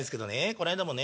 この間もね